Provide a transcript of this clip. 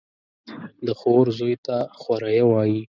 د خور زوى ته خوريه وايي.